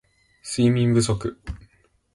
睡眠不足